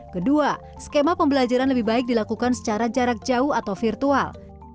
kedua skema pembelajaran lebih baik dilakukan secara jarak jauh atau virtual